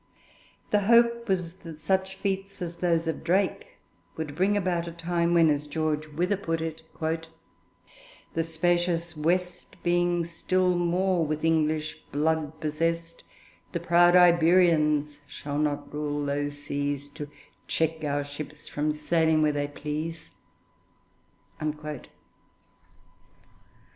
The hope was that such feats as those of Drake would bring about a time when, as George Wither put it, the spacious West, Being still more with English blood possessed, The proud Iberians shall not rule those seas, To check our ships from sailing where they please.